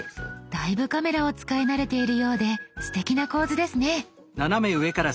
だいぶカメラを使い慣れているようですてきな構図ですね。